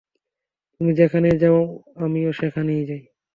তূমি যেখানেই যাও, আমিও সেখানে যাই।